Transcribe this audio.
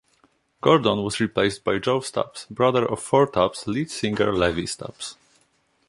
Gordon was replaced by Joe Stubbs, brother of Four Tops lead singer Levi Stubbs.